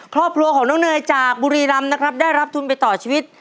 ครอบครัวของน้องเนยจากบุรีรำนะครับได้รับทุนไปต่อชีวิต